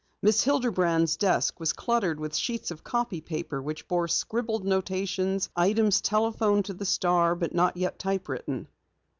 Miss Hilderman's desk was cluttered with sheets of copy paper which bore scribbled notations, items telephoned to the Star but not yet type written.